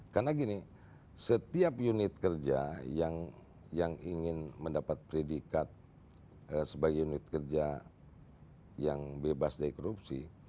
karena gini setiap unit kerja yang ingin mendapat predikat sebagai unit kerja yang bebas dari korupsi